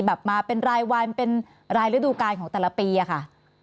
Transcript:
มาเป็นรายวันเป็นรายฤดูการของแต่ละปีอะค่ะ